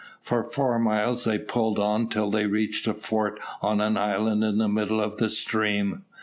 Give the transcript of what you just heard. For four miles they pulled on till they reached a fort on an island in the middle of the stream.